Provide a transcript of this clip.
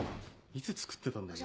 いつ作ってたんだ？